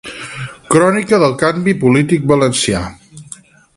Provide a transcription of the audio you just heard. Crònica del canvi polític valencià.